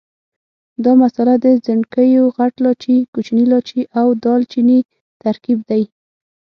دا مساله د ځڼکیو، غټ لاچي، کوچني لاچي او دال چیني ترکیب دی.